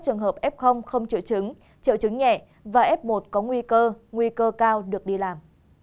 trường hợp f không triệu chứng triệu chứng nhẹ và f một có nguy cơ nguy cơ cao được đi làm